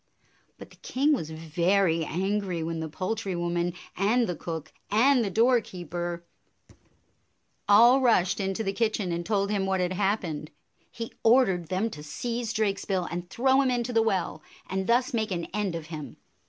But the king was very angry when the poul try woman and the cook and the doorkeeper all rushed into the kitchen and told him what had happened. He ordered them to seize Drakesbill and throw him into the well, and thus make an end of him.